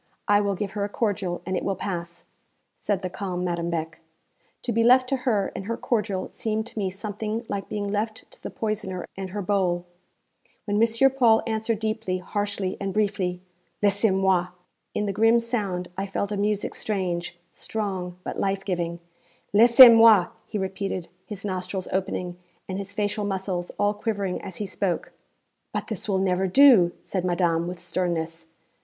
I will give her a cordial, and it will pass,' said the calm Madame Beck. To be left to her and her cordial seemed to me something like being left to the poisoner and her bowl. When M. Paul answered deeply, harshly, and briefly, 'Laissez moi!' in the grim sound I felt a music strange, strong, but life giving. 'Laissez moi!' he repeated, his nostrils opening, and his facial muscles all quivering as he spoke. 'But this will never do,' said madame with sternness.